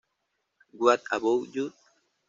What About You?